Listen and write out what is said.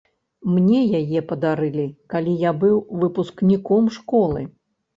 Мне яе падарылі, калі я быў выпускніком школы.